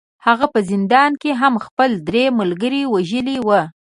هغه په زندان کې هم خپل درې ملګري وژلي وو